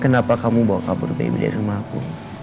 kenapa kamu bawa kabur baby dari rumah aku